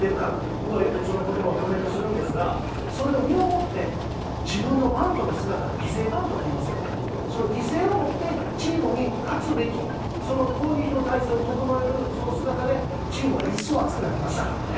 僕はよくそのことばをコメントするんですが、それを身をもって、自分のバントの姿で、犠牲バントといいますよね、それを犠牲をもって、チームに勝つべき、その攻撃の態勢を整える、その姿で、チームは一層熱くなりましたからね。